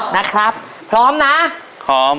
นะครับพร้อมนะพร้อม